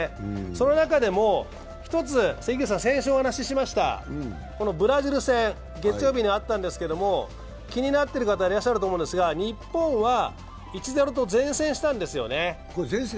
その中でも１つ先週お話ししましたブラジル戦、月曜日にあったんですけど、気になっている方いらっしゃると思いますが日本は１−０と善戦したんですよね。